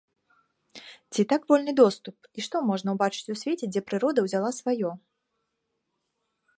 Ці так вольны доступ, і што можна ўбачыць у свеце, дзе прырода ўзяла сваё?